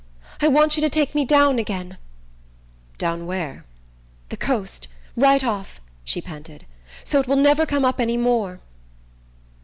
I want you to take me down again!" "Down where?" "The coast. Right off," she panted. "So 't we'll never come up any more."